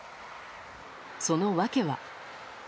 その訳は。